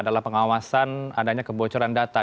adalah pengawasan adanya kebocoran data